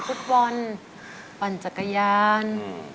ฟุตบอลปั่นจักรยาน